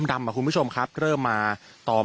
และก็คือว่าถึงแม้วันนี้จะพบรอยเท้าเสียแป้งจริงไหม